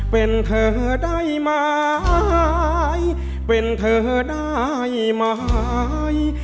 เป็นเธอได้ไหมเป็นเธอได้ไหม